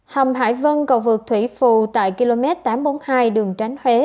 hầm hải vân cầu vượt thủy phù tại km tám trăm bốn mươi hai đường tránh huế